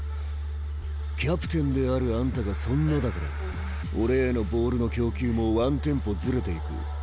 キャプテンであるあんたがそんなだから俺へのボールの供給もワンテンポずれていく。